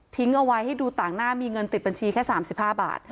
เอาไว้ให้ดูต่างหน้ามีเงินติดบัญชีแค่๓๕บาท